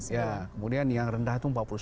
ya kemudian yang rendah itu empat puluh sembilan